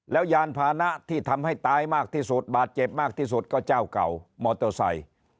แล้วยานพานะที่ทำให้ตายมากที่สุดบาดเจ็บมากที่สุดก็เจ้าเก่ามอเตอร์ไซค์